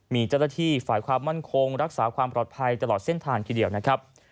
มีเจ้าหน้าที่ฝ่ายความมั่นคงรักษาความปลอดภัยตลอดเส้นทางทีเดียวนะครับ